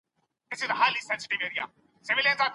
هغه له اوږدې چوپتیا وروسته وغږېد.